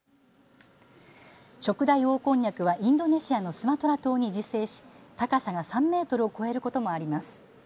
ショクダイオオコンニャクはインドネシアのスマトラ島に自生し高さが３メートルを超えることもあります。